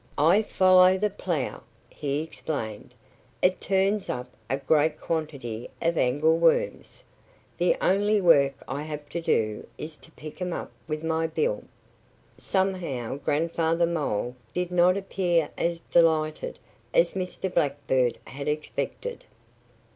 I follow the plough," he explained. "It turns up a great quantity of angleworms. The only work I have to do is to pick 'em up with my bill." Somehow Grandfather Mole did not appear as delighted as Mr. Blackbird had expected.